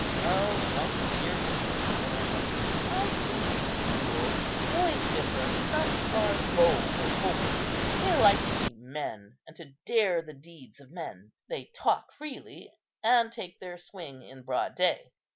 "Oh, don't fear for him!" said Arnobius; "I knew him at school. Boys differ; some are bold and open. They like to be men, and to dare the deeds of men; they talk freely, and take their swing in broad day.